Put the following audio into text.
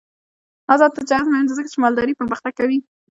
آزاد تجارت مهم دی ځکه چې مالداري پرمختګ کوي.